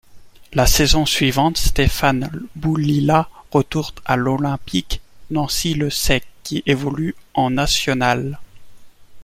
La saison suivante Stéphane Boulila retourne à l'Olympique Noisy-le-Sec qui évolue en National.